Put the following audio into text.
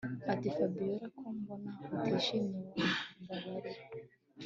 atiFabiora ko mbona utishimye wambabarira